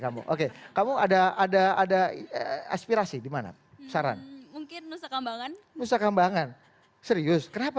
kamu oke kamu ada ada ada aspirasi dimana saran mungkin nusakambangan nusakambangan serius kenapa